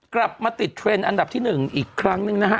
กลับมาติดเทรนด์อันดับที่๑อีกครั้งหนึ่งนะฮะ